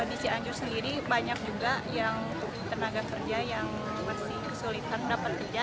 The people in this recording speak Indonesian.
di cianjur sendiri banyak juga yang untuk tenaga kerja yang masih kesulitan dapat tidak